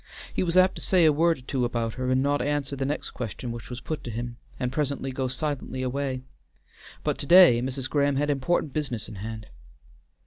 He was apt to say a word or two about her and not answer the next question which was put to him, and presently go silently away, but to day Mrs. Graham had important business in hand.